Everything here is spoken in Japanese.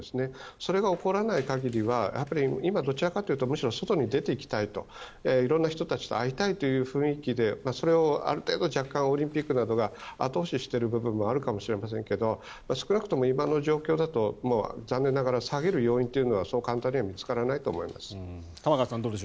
それが起こらない限りは今、どちらかというとむしろ外に出ていきたい色んな人に会いたいという雰囲気でそれをある程度若干オリンピックなどが後押ししている部分もあるかもしれませんが少なくとも今の状況だと残念ながら下げる要因は簡単には見つからないと思います。